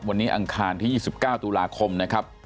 วันนี้อังคารที่๒๙ตุลาคมนะครับ